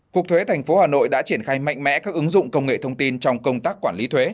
cục thuế tp hà nội đã triển khai mạnh mẽ các ứng dụng công nghệ thông tin trong công tác quản lý thuế